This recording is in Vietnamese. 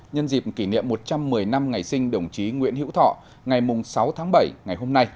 nhân dịp kỷ niệm một trăm một mươi năm ngày sinh đồng chí nguyễn hữu thọ ngày sáu tháng bảy ngày hôm nay